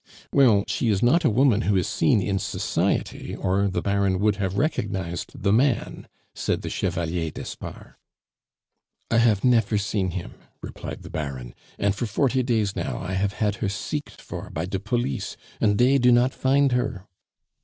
"Well, she is not a woman who is seen in society, or the Baron would have recognized the man," said the Chevalier d'Espard. "I have nefer seen him," replied the Baron. "And for forty days now I have had her seeked for by de Police, and dey do not find her."